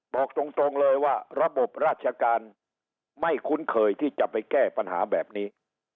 บอกตรงเลยว่าระบบราชการไม่คุ้นเคยที่จะไปแก้ปัญหาแบบนี้